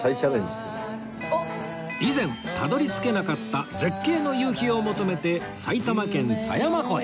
以前たどり着けなかった絶景の夕日を求めて埼玉県狭山湖へ